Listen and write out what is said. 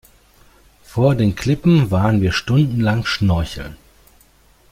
Vor den Klippen waren wir stundenlang schnorcheln.